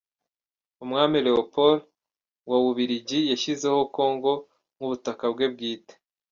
Umwami Leopold wa w’ububiligi yashyizeho Congo nk’ubutaka bwe bwite.